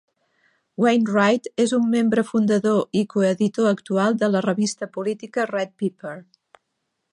Wainwright és un membre fundador i coeditor actual de la revista política "Red Pepper".